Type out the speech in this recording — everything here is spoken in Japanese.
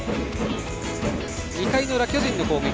２回裏、巨人の攻撃。